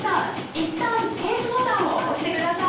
いったん停止ボタンを押してください。